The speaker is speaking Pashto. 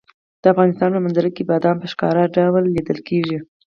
د افغانستان په منظره کې بادام په ښکاره لیدل کېږي.